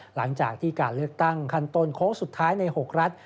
หลังจากที่การเลือกตั้งขั้นต้นโค้งสุดท้ายใน๖รัฐ